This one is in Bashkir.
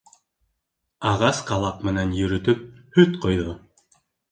Ағас ҡалаҡ менән йөрөтөп һөт ҡойҙо.